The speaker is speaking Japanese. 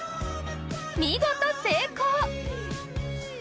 見事成功！